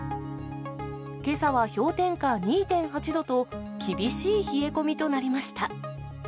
けさは氷点下２．８度と、厳しい冷え込みとなりました。